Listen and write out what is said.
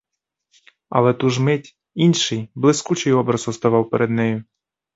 Але ту ж мить інший, блискучий образ уставав перед нею.